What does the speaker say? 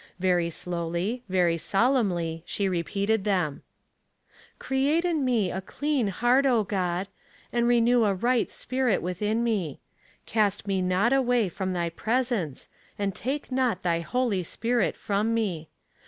Very slowly, very solemnly, she repeated them :'' Create in me a clean heart, O God ; and renew a right spirit within me. Cast me not away from thy presence, and take not thy Holy Spirit from me.